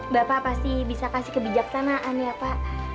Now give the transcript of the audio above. bapak pasti bisa kasih kebijaksanaan ya pak